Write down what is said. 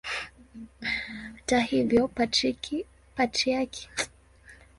Hata hivyo Patriarki wa Moscow na wa Urusi wote ndiye mwenye waamini wengi zaidi.